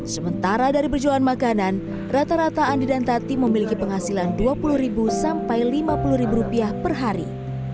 sementara dari berjualan makanan rata rata andi dan tati memiliki penghasilan dua puluh sampai lima puluh rupiah per hari